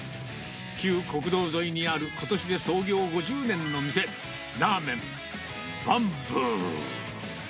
旧国道沿いにあることしで創業５０年の店、ラーメンバンブー。